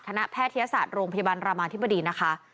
แพทยศาสตร์โรงพยาบาลรามาธิบดีนะคะ